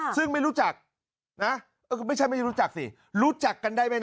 ซึ่งไม่รู้จัก